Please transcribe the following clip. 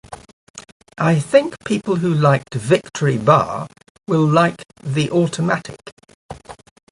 I think people who liked Victory Bar will like The Automatic.